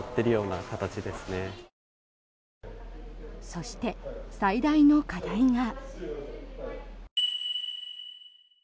そして、最大の課題が。